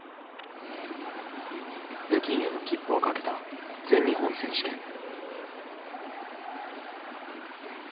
北京への切符をかけた全日本選手権。